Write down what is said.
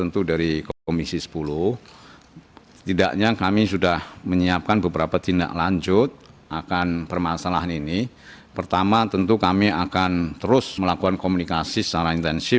tapi setelah kami komisi sepuluh